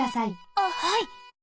あっはい。